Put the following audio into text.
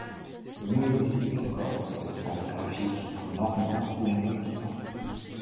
Le mot existe encore sous cette forme graphique en normand et en occitan.